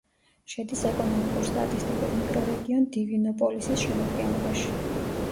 შედის ეკონომიკურ-სტატისტიკურ მიკრორეგიონ დივინოპოლისის შემადგენლობაში.